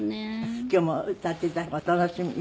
今日も歌って頂くの楽しみに。